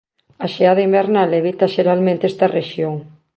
A xeada invernal evita xeralmente esta rexión.